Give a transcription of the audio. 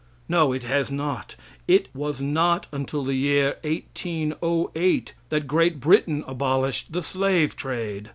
No, it has not. It was not until the year 1808 that Great Britain abolished the slave trade.